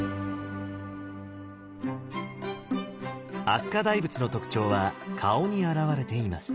飛鳥大仏の特徴は顔に表れています。